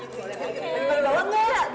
bagi bagi bawah nggak